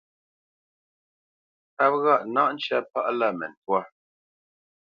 Páp ghâʼ: náʼ ncə́ pâʼlâ mə ntwâ.